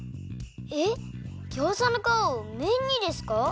えっギョーザのかわをめんにですか？